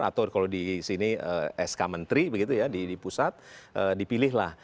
atau kalau di sini sk menteri begitu ya di pusat dipilihlah